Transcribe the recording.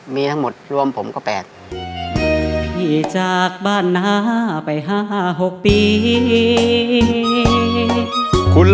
มีทั้งหมดรวมผมก็แปด